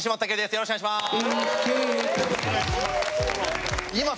よろしくお願いします。